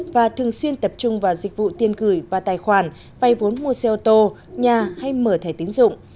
và thường xuyên tập trung vào dịch vụ tiền gửi và tài khoản vay vốn mua xe ô tô nhà hay mở thẻ tiến dụng